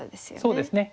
そうですね。